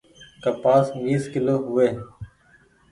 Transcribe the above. ڪپآس ويس ڪلو هووي۔